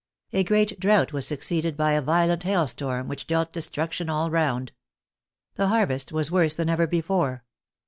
A great drought v^as succeeded by a violent hailstorm, which dealt destruction all round. The harvest was worse than ever before.